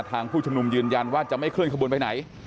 ผู้ชุมนุมยืนยันว่าจะไม่เคลื่อขบวนไปไหน